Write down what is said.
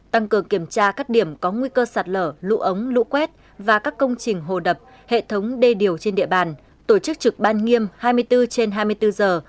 tăng cường kiểm tra các điểm có nguy cơ sạt lở lũ ống lũ quét và các công trình hồ đập hệ thống đê điều trên địa bàn tổ chức trực ban nghiêm hai mươi bốn trên hai mươi bốn giờ